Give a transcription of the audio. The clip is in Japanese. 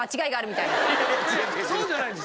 そうじゃないんです。